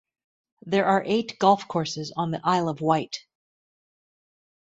There are eight Golf courses on the Isle of Wight.